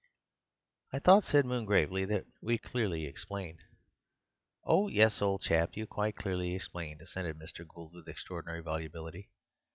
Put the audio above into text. "I thought," said Moon gravely, "that we quite clearly explained—" "Oh yes, old chap, you quite clearly explained," assented Mr. Gould with extraordinary volubility.